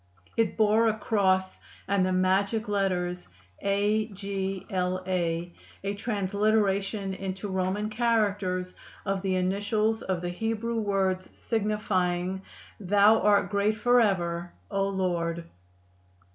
It bore a cross and the magic letters A. G. L. A., a transliteration into Roman characters of the initials of the Hebrew words signifying "Thou are great forever, O Lord."